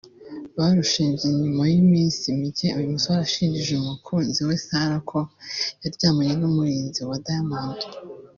Barushinze nyuma y'iminsi mike uyu musore ashinjije umukunzi we Sarah ko yaryamanye n'umurinzi wa Diamond